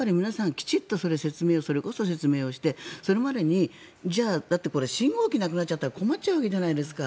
きちっと説明をしてそれまでに信号機なくなっちゃったら困っちゃうわけじゃないですか。